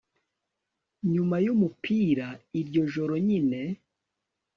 Nyuma yumupira iryo joro nyine